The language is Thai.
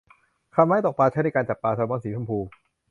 คันไม้ตกปลาใช้ในการจับปลาแซลมอนสีชมพู